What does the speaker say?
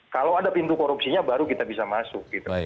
kalau ada pintu korupsinya baru kita bisa masuk